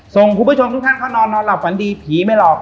คุณผู้ชมทุกท่านเข้านอนนอนหลับฝันดีผีไม่หลอก